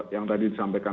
yang tadi disampaikan